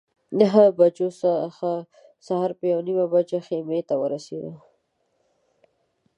نهه بجو څخه سهار په یوه نیمه بجه خیمې ته ورسېدو.